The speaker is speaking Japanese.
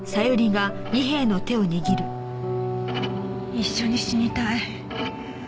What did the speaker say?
一緒に死にたい。